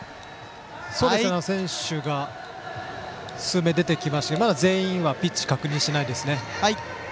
数名の選手が出てきましたがまだ全員はピッチで確認していませんね。